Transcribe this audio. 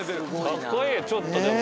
かっこいいちょっとでも。